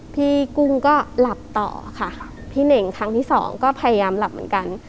กุ้งก็หลับต่อค่ะพี่เน่งครั้งที่สองก็พยายามหลับเหมือนกัน